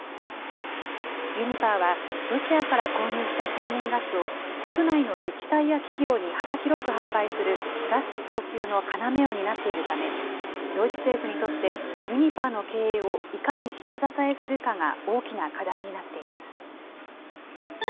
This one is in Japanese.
ユニパーはロシアから購入した天然ガスを、国内の自治体や企業に幅広く販売するガス供給の要を担っているため、ドイツ政府にとって、ユニパーの経営をいかに下支えするかが大きな課題になっています。